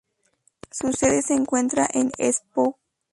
Su sede se encuentra en Espoo.